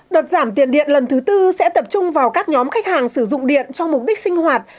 đợt giảm tiền điện lần thứ tư sẽ tập trung vào các nhóm khách hàng sử dụng điện cho mục đích sinh hoạt